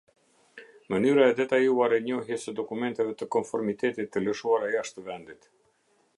Mënyra e detajuar e njohjes së dokumenteve të konformitetit të lëshuara jashtë vendit.